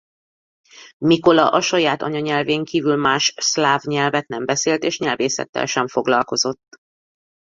Mikola a saját anyanyelvén kívül más szláv nyelvet nem beszélt és nyelvészettel sem foglalkozott.